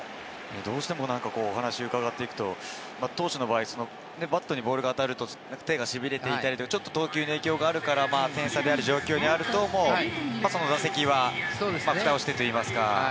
どうしてもお話を伺っていくと、投手の場合、バットにボールが当たると手がしびれたりと、投球に影響があるから、点差や状況で、その打席はふたをしてといいますか。